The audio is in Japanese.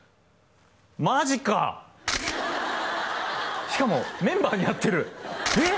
マジかしかもメンバーに会ってるえっ？